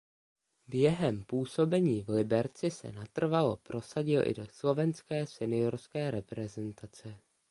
Během působení v Liberci se natrvalo prosadil i do slovenské seniorské reprezentace.